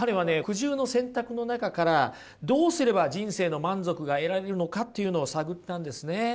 苦渋の選択の中からどうすれば人生の満足が得られるのかっていうのを探ったんですね。